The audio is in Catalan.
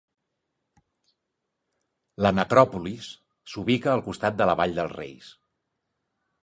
La necròpolis s'ubica al costat de la Vall dels Reis.